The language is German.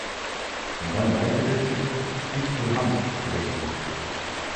Und dann meinte der Typ: "Sprich zur Hand" oder so